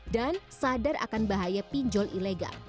dan sadar akan bahaya pinjol ilegal